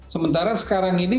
sementara sekarang ini